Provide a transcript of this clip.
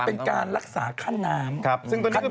มันเป็นการรักษาขั้นน้ำขั้นน้ำต้านดิน